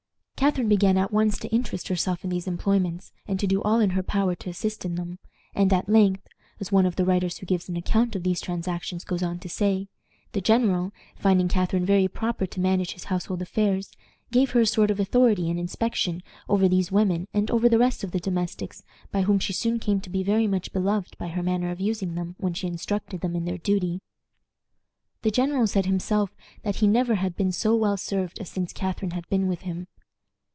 Catharine began at once to interest herself in these employments, and to do all in her power to assist in them; and at length, as one of the writers who gives an account of these transactions goes on to say, "the general, finding Catharine very proper to manage his household affairs, gave her a sort of authority and inspection over these women and over the rest of the domestics, by whom she soon came to be very much beloved by her manner of using them when she instructed them in their duty. The general said himself that he never had been so well served as since Catharine had been with him.